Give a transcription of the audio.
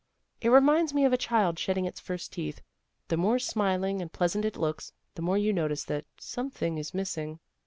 It re minds me of a child shedding its first teeth. The more smiling and pleasant it looks, the more you notice that something is missing."